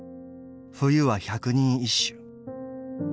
冬は百人一首。